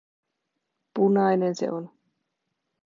Punainen se on.